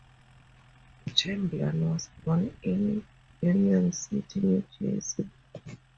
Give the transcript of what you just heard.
Chambellan was born in Union City, New Jersey.